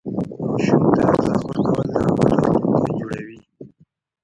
ماشوم ته ارزښت ورکول د هغه راتلونکی جوړوي.